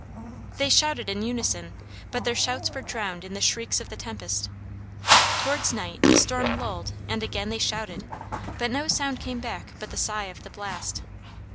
They shouted in unison, but their shouts were drowned in the shrieks of the tempest. Towards night the storm lulled and again they shouted, but no sound came back but the sigh of the blast.